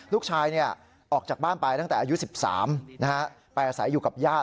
ลูกชายออกจากบ้านไปตั้งแต่อายุ๑๓ไปอาศัยอยู่กับญาติ